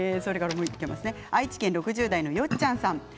愛知県６０代の方です。